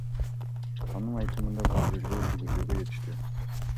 Анын айтымында, бул изилдөө жүргүзүүгө жетиштүү.